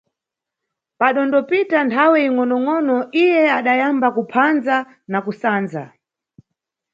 Padandopita nthawe ingʼonongʼono iye adayamba kuphandza na kusandza.